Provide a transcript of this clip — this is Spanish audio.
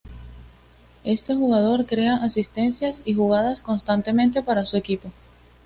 Este jugador crea asistencias y jugadas constantemente para su equipo.